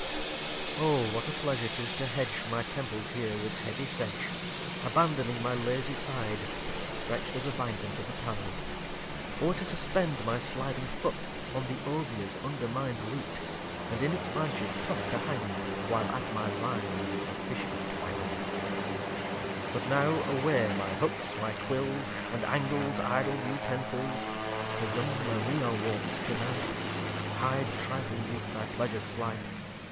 lxxxi Oh what a Pleasure 'tis to hedge My Temples here with heavy sedge; Abandoning my lazy Side, Stretcht as a Bank unto the Tide; Or to suspend my sliding Foot On the Osiers undermined Root, And in its Branches tough to hang, While at my Lines the Fishes twang! lxxxii But now away my Hooks, my Quills, And Angles, idle Utensils. The young Maria walks to night: Hide trifling Youth thy Pleasures slight.